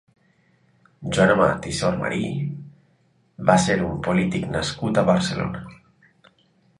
Joan Amat i Sormaní va ser un polític nascut a Barcelona.